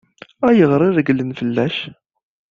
Ayɣer i regglen fell-ak?